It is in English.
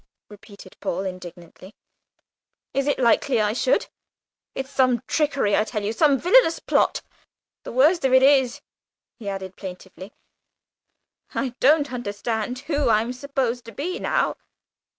repeated Paul indignantly. "Is it likely I should? It's some trickery, I tell you, some villainous plot. The worst of it is," he added plaintively, "I don't understand who I'm supposed to be now.